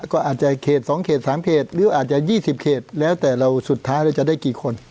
ก็อาจจะเขต๒เขต๓เขตหรืออาจจะ๒๐เขตแล้วแต่เราสุดท้ายเราจะได้กี่คน